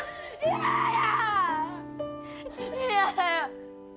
嫌や！